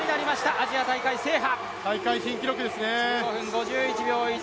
アジア大会制覇。